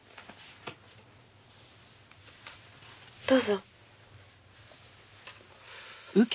どうぞ。